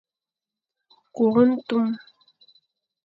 Kur ntum,